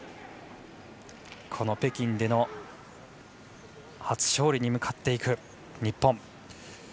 この北京での初勝利に向かっていく日本。